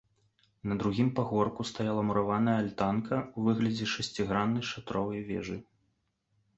На другім пагорку стаяла мураваная альтанка ў выглядзе шасціграннай шатровай вежы.